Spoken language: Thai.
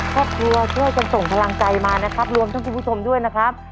ครอบครัวช่วยกันส่งพลังใจมานะครับรวมทั้งคุณผู้ชมด้วยนะครับ